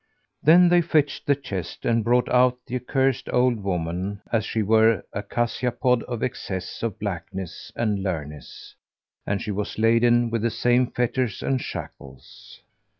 Then they fetched the chest and brought out the accursed old woman, as she were a cassia pod[FN#421] for excess of blackness and leanness, and she was laden with the same fetters and shackles.